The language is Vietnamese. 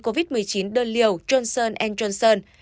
covid một mươi chín đơn liều johnson johnson